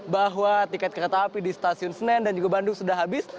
bahwa tiket kereta api di stasiun senen dan juga bandung sudah habis